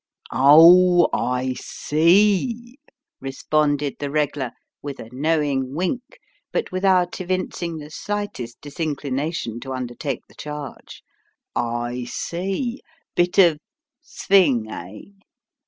" Oh ! I see," responded the reg'lar, with a knowing wink, but with out evincing the slightest disinclination to undertake the charge " I see bit o' Sving, eh?